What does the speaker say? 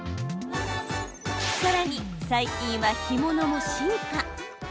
さらに、最近は干物も進化！